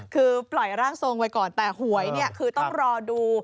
คือปล่อยร่างทรงไว้ก่อนแต่หวยเนี่ยคือต้องรอดู